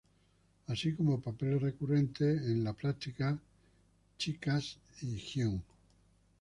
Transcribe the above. Así como papeles recurrentes en "The Practice", "Girlfriends" y "Hung".